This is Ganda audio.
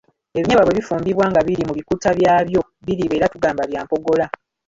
Ebinyeebwa bwe bifumbibwa nga biri mu bikuta byabyo biriibwa era tugamba bya mpogola.